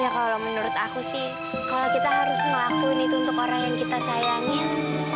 ya kalau menurut aku sih kalau kita harus ngelakuin itu untuk orang yang kita sayangin